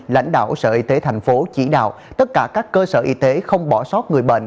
lãnh đạo sở y tế thành phố chỉ đạo tất cả các cơ sở y tế không bỏ sót người bệnh